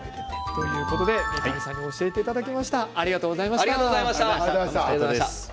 三上さんに教えていただきましたありがとうございました。